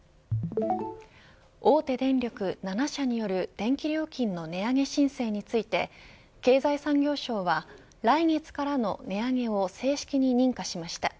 大手電力７社による電気料金の値上げ申請について経済産業省は来月からの値上げを正式に認可しました。